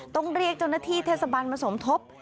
ต้องเรียกจนที่เทศบาลมสมทบ